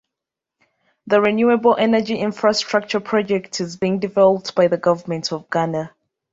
The renewable energy infrastructure project is being developed by the government of Ghana.